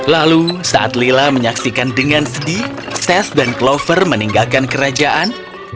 lalu saat lila menyaksikan dengan sedih ses dan clover meninggalkan kerajaan